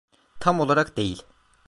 Tam olarak değil.